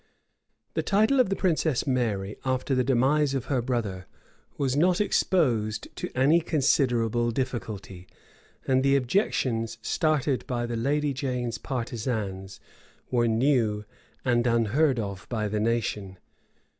{1553.} The title of the princess Mary, after the demise of her brother, was not exposed to any considerable difficulty; and the objections started by the lady Jane's partisans were new and unheard of by the nation.